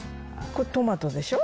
これ、トマトでしょ。